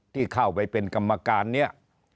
ที่เข้าไปเป็นกรรมการเนี่ย